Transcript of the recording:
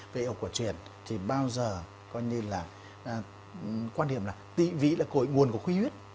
về y học của truyền thì bao giờ quan điểm là tị vị là cội nguồn của khuy huyết